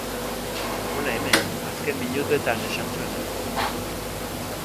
Hona hemen azken minutuetan esan zuena.